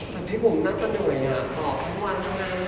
ขอบคุณครับทุกคน